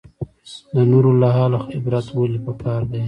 د نورو له حاله عبرت ولې پکار دی؟